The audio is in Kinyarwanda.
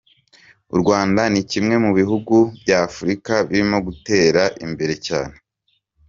U Rwanda ni kimwe mu bihugu by’ Afurika birimo gutera imbere cyane.